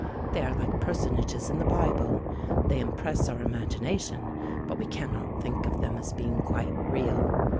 They are like personages in the Bible. They impress our imagination, but we cannot think of them as being quite real.